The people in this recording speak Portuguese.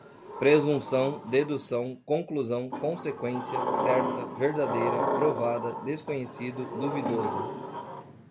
presunção, dedução, conclusão, consequência, certa, verdadeira, provada, desconhecido, duvidoso